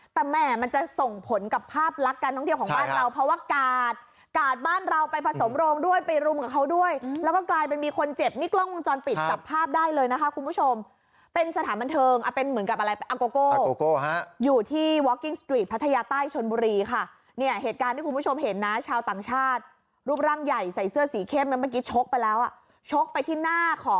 แต่แหม่มันจะส่งผลกับภาพลักษณ์การท้องเที่ยวของบ้านเราเพราะว่ากาก